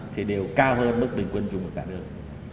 thì đều cao hơn bức bình quân của cả nước